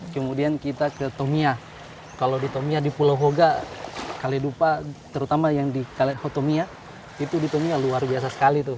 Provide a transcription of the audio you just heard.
kemudian kita ke tomia kalau di tomia di pulau hoga kaledupa terutama yang di kalet hotomia itu di tomia luar biasa sekali tuh